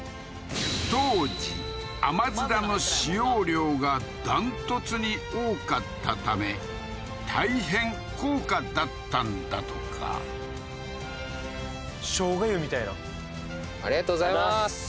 当時あまづらの使用量がダントツに多かったため大変高価だったんだとかショウガ湯みたいなありがとうございます